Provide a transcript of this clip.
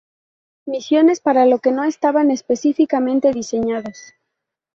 Misiones para lo que no estaban específicamente diseñados.